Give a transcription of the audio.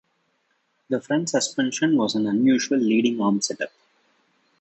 The front suspension was an unusual leading-arm set-up.